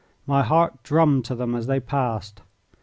My heart drummed to them as they passed.